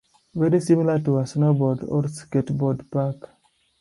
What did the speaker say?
Very similar to a snowboard or skateboard park.